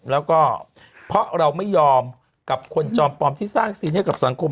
แล้วก็เพราะเราไม่ยอมกับคนจอมปลอมที่สร้างซีนให้กับสังคม